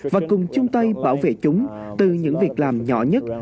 và cùng chung tay bảo vệ chúng từ những việc làm nhỏ nhất